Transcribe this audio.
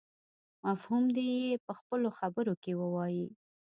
مفهوم دې يې په خپلو خبرو کې ووايي.